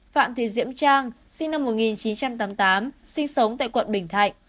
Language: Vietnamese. phạm thị diễm trang sinh năm một nghìn chín trăm tám mươi tám sinh sống tại quận bình thạnh